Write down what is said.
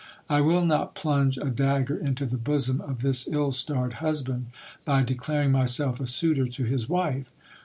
I will not plunge a dag ger into the bosom of this ill starred husband, by declaring myself a suitor to his wife.